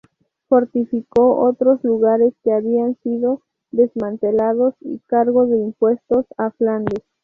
Fortificó otros lugares que habían sido desmantelados y cargó de impuestos a Flandes.